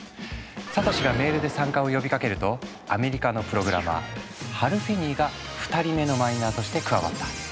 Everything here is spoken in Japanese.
サトシがメールで参加を呼びかけるとアメリカのプログラマーハル・フィニーが２人目のマイナーとして加わった。